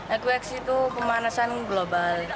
eko yoks itu pemanasan global